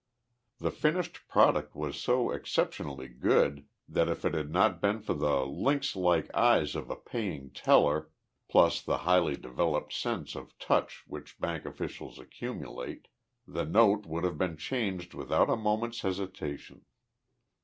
The finished product was so exceptionally good that, if it had not been for the lynxlike eyes of a paying teller plus the highly developed sense of touch which bank officials accumulate the note would have been changed without a moment's hesitation.